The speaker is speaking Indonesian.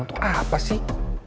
untuk apa sih